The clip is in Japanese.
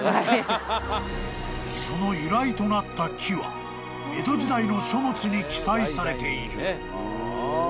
［その由来となった木は江戸時代の書物に記載されている］